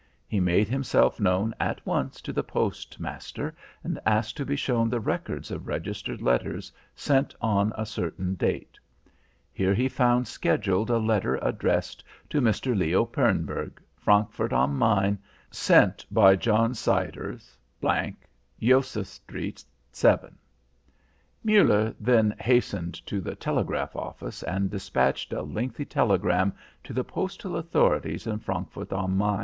He made himself known at once to the postmaster, and asked to be shown the records of registered letters sent on a certain date. Here he found scheduled a letter addressed to Mr. Leo Pernburg, Frankfurt am Main, sent by John Siders, G , Josef Street 7. Muller then hastened to the telegraph office and despatched a lengthy telegram to the postal authorities in Frankfurt am Main.